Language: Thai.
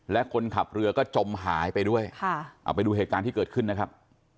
และคนขับเรือก็จมหายไปด้วยเอาไปดูเหตุการณ์ที่เกิดขึ้นนะครับ